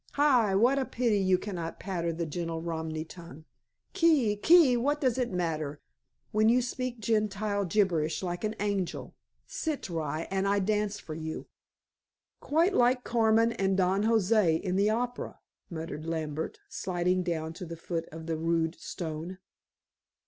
Hai, what a pity you cannot patter the gentle Romany tongue. Kek! Kek! What does it matter, when you speak Gentile gibberish like an angel. Sit, rye, and I dance for you." "Quite like Carmen and Don José in the opera," murmured Lambert, sliding down to the foot of the rude stone.